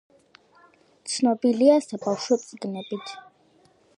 ცნობილია საბავშვო წიგნებით.